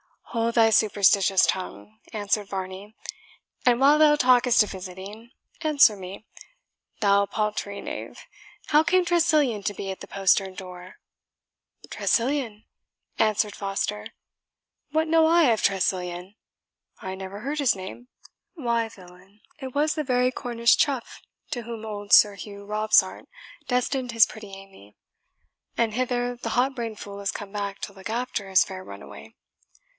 "Hold thy superstitious tongue," answered Varney; "and while thou talkest of visiting, answer me, thou paltering knave, how came Tressilian to be at the postern door?" "Tressilian!" answered Foster, "what know I of Tressilian? I never heard his name." "Why, villain, it was the very Cornish chough to whom old Sir Hugh Robsart destined his pretty Amy; and hither the hot brained fool has come to look after his fair runaway.